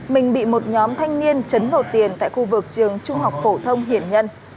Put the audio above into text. mình bị một nhóm thanh niên chấn lột tiền tại khu vực trường trung học phổ thông hiển nhân